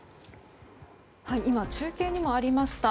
今、中継にもありました